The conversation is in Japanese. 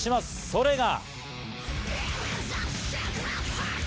それが。